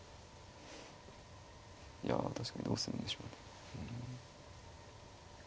いや確かにどうするんでしょう。